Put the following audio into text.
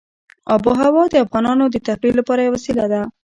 آب وهوا د افغانانو د تفریح لپاره یوه وسیله ده.